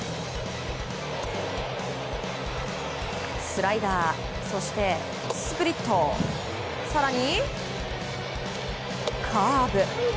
スライダー、そしてスプリット更に、カーブ。